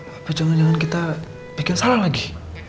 apa jangan jangan kita bikin salah lagi